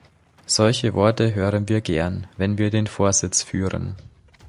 Solche Worte hören wir gern, wenn wir den Vorsitz führen!